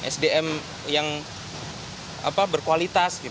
sdm yang berkualitas